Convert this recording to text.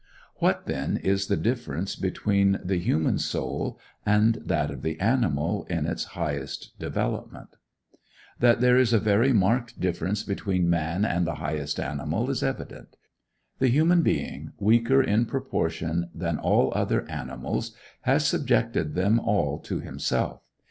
What, then, is the difference between the human soul and that of the animal in its highest development? That there is a very marked difference between man and the highest animal is evident. The human being, weaker in proportion than all other animals, has subjected them all to himself.